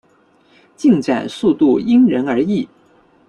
进展速度因人而异。